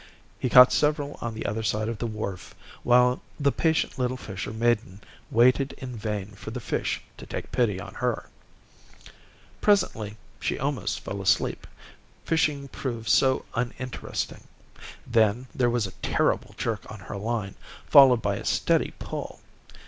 He caught several on the other side of the wharf, while the patient little fisher maiden waited in vain for the fish to take pity on her. Presently, she almost feel asleep, fishing proved so uninteresting. Then there was a terrible jerk on her line, followed by a steady pull.